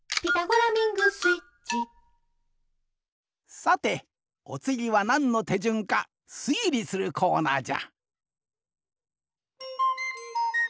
さておつぎはなんのてじゅんかすいりするコーナーじゃ！